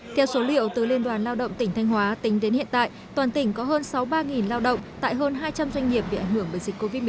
theo số liệu từ liên đoàn lao động tỉnh thanh hóa tính đến hiện tại toàn tỉnh có hơn sáu mươi ba lao động tại hơn hai trăm linh doanh nghiệp bị ảnh hưởng bởi dịch covid một mươi chín